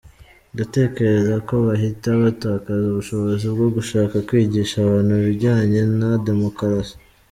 Nkatekereza ko bahita batakaza ubushobozi bwo gushaka kwigisha abantu ibijyanye na demokarasi.